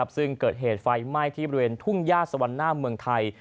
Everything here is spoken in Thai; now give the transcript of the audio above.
ซึ่งเกิดเหตุไฟไหม้ที่บริเวณทุ่งย่าสวรรค์หน้าเมืองไทย